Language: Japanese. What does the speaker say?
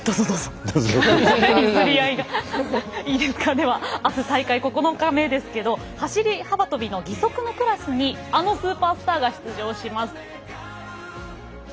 ではあす大会９日目ですけれど走り幅跳びの義足のクラスにあのスーパースターが出場します。